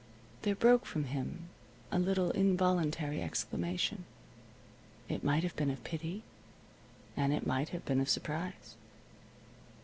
There broke from him a little involuntary exclamation. It might have been of pity, and it might have been of surprise.